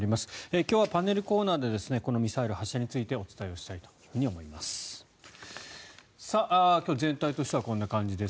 今日はパネルコーナーでこのミサイル発射についてお伝えをしたいと思います。